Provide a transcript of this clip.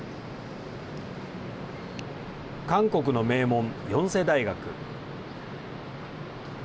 韓国の名門、ヨンセ大学。